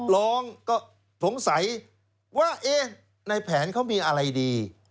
ร้องก็สงสัยว่าเอ๊ะในแผนเขามีอะไรดี